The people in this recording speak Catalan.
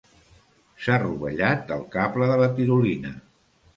S'ha rovellat el cable de la tirolina.